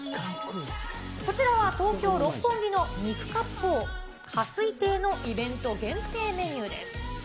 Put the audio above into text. こちらは東京・六本木の肉かっぽう、香水亭のイベント限定メニューです。